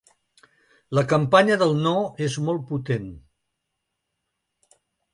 La campanya del no és molt potent.